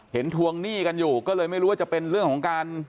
ทวงหนี้กันอยู่ก็เลยไม่รู้ว่าจะเป็นเรื่องของการ